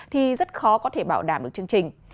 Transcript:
thì rất khó có thể bảo đảm được chương trình